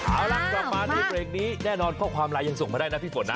แล้วเรากลับมาที่เวเปรกนี้แน่นอนคุณปฐไลน์ยังส่งมาได้นะพี่ฝนนะ